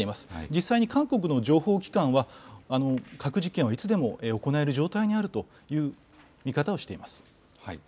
実際に韓国の情報機関は、核実験はいつでも行える状態にあるという見方をしています。